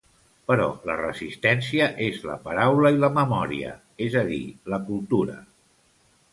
Però la resistència és la paraula i la memòria; és a dir, la cultura.